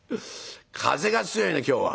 「風が強いね今日は。